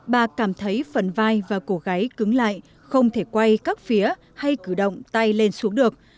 bà cảm thấy phần vai và cổ gáy cứng lại không thể quay các phía hay cử động tay lên xuống được